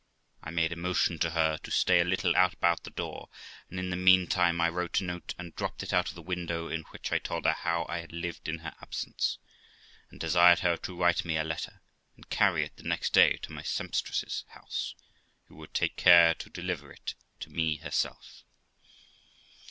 I made a motion to her to stay a little about the door, and in the meantime I wrote a note, and dropped it out of the window, in which I told her how I had lived in her absence, and desired her to write me a letter, and carry it the next day to my sempstress's house, who would take care to deliver it to me herself.